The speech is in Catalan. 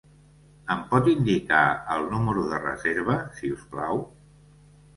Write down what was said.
Em pot indicar el número de reserva, si us plau?